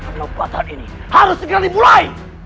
penepuan ini harus segera dimulai